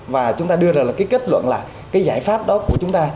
và chúng ta đưa ra là cái kết luận là cái giải pháp đó của chúng ta